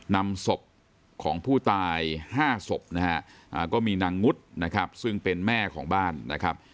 นำศพของผู้ตาย๕ศพนะฮะก็มีนางงุดนะครับซึ่งเป็นแม่ของบ้านนะครับ